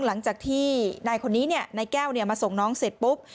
หลังจากที่นายคนนี้นายแก้วมาส่งน้องเสร็จปุ๊บ